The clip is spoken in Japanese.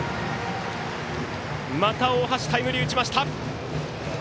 また大橋タイムリー打ちました！